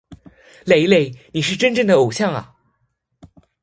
雷雷！你是真正的偶像啊！